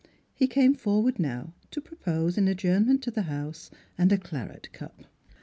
He came forward now to propose an ad journment to the house, and a claret cup.